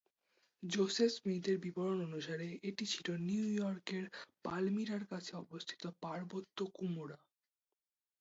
Joseph স্মিথের বিবরণ অনুসারে, এটা ছিল নিউ ইয়র্কের পালমিরার কাছে অবস্থিত পার্বত্য কুমোরা।